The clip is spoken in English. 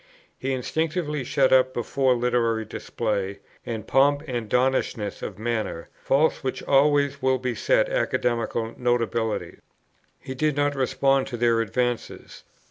He instinctively shut up before literary display, and pomp and donnishness of manner, faults which always will beset academical notabilities. He did not respond to their advances.